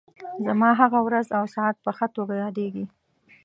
زما هغه ورځ او ساعت په ښه توګه یادېږي.